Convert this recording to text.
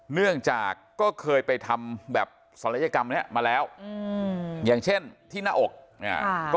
เนื่องจากก็เคยไปทำแบบศัลยกรรมเนี้ยมาแล้วอืมอย่างเช่นที่หน้าอกอ่าก็